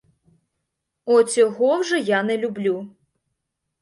Оцього вже я не люблю!